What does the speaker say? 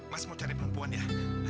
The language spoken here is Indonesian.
mas mau cari perempuan ya